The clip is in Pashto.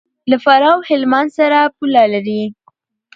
له فراه او هلمند سره پوله لري.